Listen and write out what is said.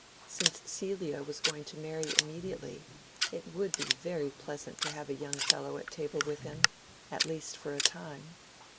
Since Celia was going to marry immediately, it would be very pleasant to have a young fellow at table with him, at least for a time.